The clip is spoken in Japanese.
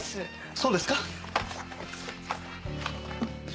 そうですか。